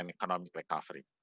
untuk memperbaiki kota kita